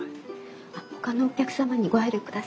ほかのお客様にご配慮ください。